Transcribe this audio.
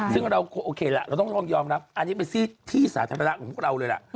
ซึ่งเราโอเคล่ะเราต้องยอมรับอันนี้เป็นที่สาธารณะของพวกเราเลยล่ะ